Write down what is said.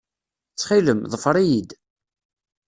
Ttxil-m, ḍfer-iyi-d.